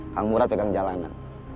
kang murad pegang jalanan